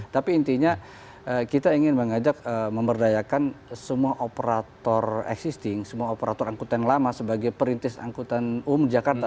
tapi intinya kita ingin mengajak memberdayakan semua operator existing semua operator angkutan lama sebagai perintis angkutan umum jakarta